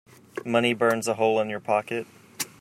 Money burns a hole in your pocket.